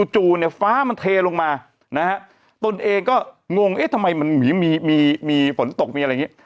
จู่เนี่ยฟ้ามันเทลงมานะฮะตนเองก็งงเอ๊ะทำไมมันมีฝนตกมีอะไรอย่างนี้